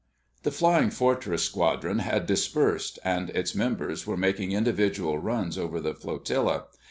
The Flying Fortress squadron had dispersed, and its members were making individual runs over the flotilla.